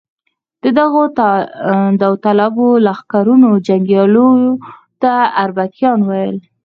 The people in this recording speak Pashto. د دغو داوطلبو لښکرونو جنګیالیو ته اربکیان ویل.